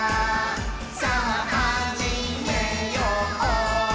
さぁはじめよう」